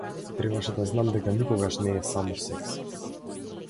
Требаше да знам дека никогаш не е само секс.